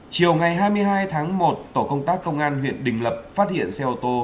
chiều ngày hai mươi hai tháng một tổ công tác công an huyện đình lập phát hiện xe ô tô